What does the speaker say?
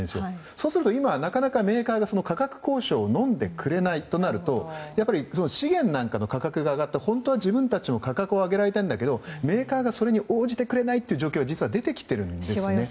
そうすると、メーカーがなかなかその価格交渉をのんでくれないとなると資源なんかの価格が上がって本当は自分たちも価格を上げたいけどメーカーがそれに応じてくれない状況が出ているんです。